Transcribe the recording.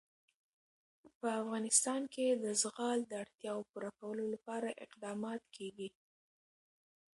په افغانستان کې د زغال د اړتیاوو پوره کولو لپاره اقدامات کېږي.